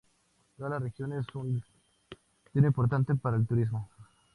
Toda la región es un destino importante para el turismo.